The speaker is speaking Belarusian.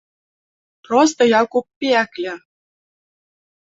Проста як у пекле.